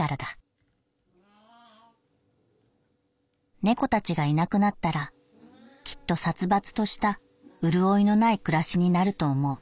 「猫たちがいなくなったらきっと殺伐とした潤いのない暮らしになると思う」。